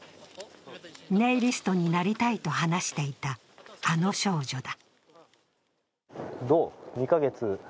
ネイリストになりたいと話していた、あの少女だ。